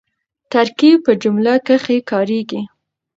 ترکیب په جمله کښي کاریږي.